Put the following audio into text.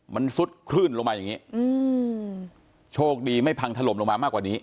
มันซุดคลื่นลงมาอย่างนี้อืมโชคดีไม่พังถล่มลงมามากกว่านี้